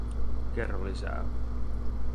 Kerro lisää.